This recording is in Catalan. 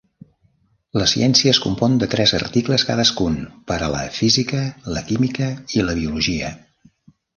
La ciència es compon de tres articles cadascun per a la física, la química i la biologia.